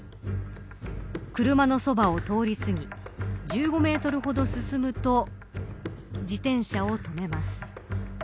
車のそばを通り過ぎ１５メートルほど進むと自転車を止めます。